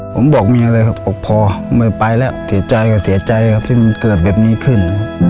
ผมบอกเมียเลยครับบอกพอไม่ไปแล้วเสียใจกับเสียใจครับที่มันเกิดแบบนี้ขึ้น